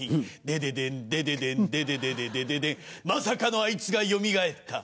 デデデンデデデンデデデデデデデンまさかのあいつがよみがえった。